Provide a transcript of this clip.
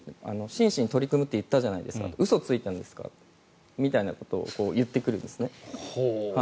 真摯に取り組むと言ったじゃないですか嘘をついたんですかということを言ってくるんですね。